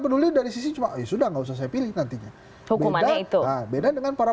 peduli dari sisi cuma ya sudah nggak usah saya pilih nantinya beda beda dengan para